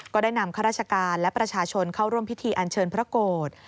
ก็ได้นำข้าราชการและประชาชนเข้าร่วมพิธีอันเชิญพระโกรธ